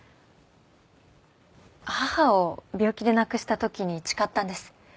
母を病気で亡くした時に誓ったんです。